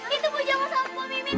bu itu bu jawa sahab bu mimin